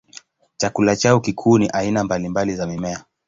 Chakula chao kikuu ni aina mbalimbali za mimea.